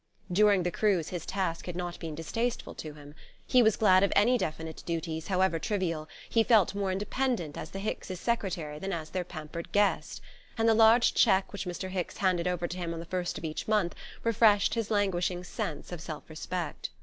During the cruise his task had not been distasteful to him. He was glad of any definite duties, however trivial, he felt more independent as the Hickses' secretary than as their pampered guest, and the large cheque which Mr. Hicks handed over to him on the first of each month refreshed his languishing sense of self respect.